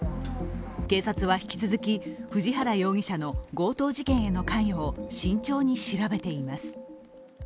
警察は引き続き、藤原容疑者の強盗事件への関与を慎重に調べています。